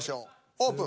オープン。